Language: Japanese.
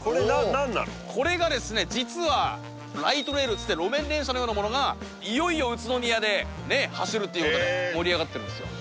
ライトレールっつって路面電車のようなものがいよいよ宇都宮でね走るっていうことで盛り上がってるんですよ